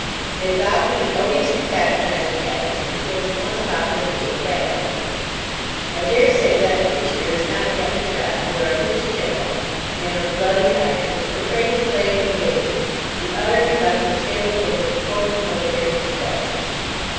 They adopted an odiously patronising attitude towards the once popular game of backgammon. I daresay that picture is not yet forgotten where a British general, a man of blood and iron, is portrayed as playing with a baby, to the utter neglect of a table full of important military dispatches.